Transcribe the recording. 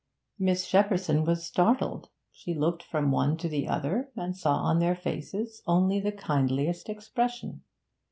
Miss Shepperson was startled. She looked from one to the other, and saw on their faces only the kindliest expression.